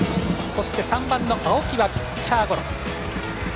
そして３番の青木はピッチャーゴロ。